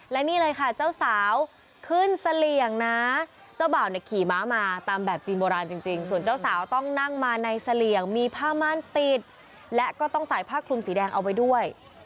และนี่เลยค่ะเจ้าสาวขึ้นเสลี่ยงนะเจ้าบ่าวเนี่ยขี่ม้ามาตามแบบจีนโบราณจริงส่วนเจ้าสาวต้องนั่งมาในเสลี่ยงมีผ้าม่านปิดและก็ต้องใส่ผ้าคลุมสีแดงเอาไว้ด้วย